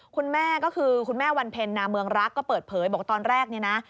คุณแม่ก็คือคุณแม่วันเพ็ญนาเมืองรักก็เปิดเผยบอกว่าตอนแรกเนี่ยนะ